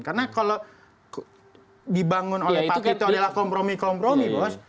karena kalau dibangun oleh pak keto adalah kompromi kompromi bos